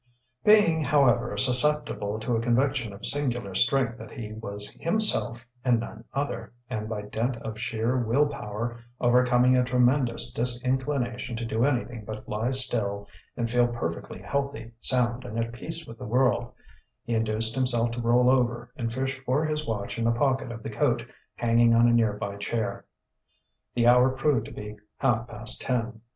Being, however, susceptible to a conviction of singular strength that he was himself and none other; and by dint of sheer will power overcoming a tremendous disinclination to do anything but lie still and feel perfectly healthy, sound, and at peace with the world: he induced himself to roll over and fish for his watch in the pocket of the coat hanging on a nearby chair. The hour proved to be half past ten.